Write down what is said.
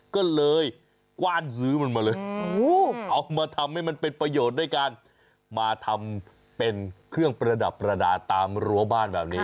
ก็เลยกว้านซื้อมันมาเลยเอามาทำให้มันเป็นประโยชน์ด้วยการมาทำเป็นเครื่องประดับประดาษตามรั้วบ้านแบบนี้